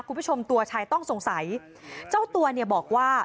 คุณผู้ชมตัวชายต้องสงสัยเจ้าตัวเนี่ยบอกว่า